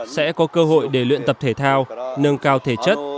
sẽ có cơ hội để luyện tập thể thao nâng cao thể chất